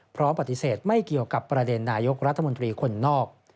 พร้อมปฏิเสธไม่เกี่ยวกับประเด็นนายกรัฐมนตรีคนนอก